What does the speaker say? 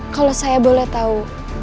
kalau saya boleh tahu